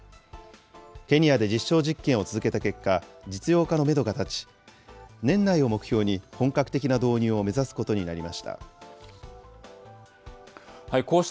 ケニアで実証実験を進めた結果、実用化のメドが立ち、年内を目標に本格的な導入を目指すことになりました。